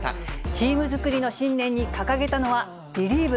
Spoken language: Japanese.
チーム作りの信念に掲げたのはビリーブ。